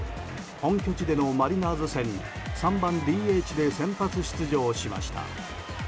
本拠地でのマリナーズ戦に３番ＤＨで先発出場しました。